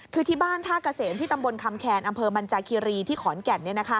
คือที่บ้านท่าเกษมที่ตำบลคำแคนอำเภอบรรจาคีรีที่ขอนแก่น